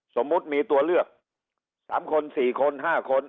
สมมุติมีตัวเลือก๓คน๔คน๕คน